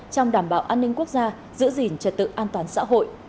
trong đảm bảo an ninh quốc gia giữ gìn trật tự an toàn xã hội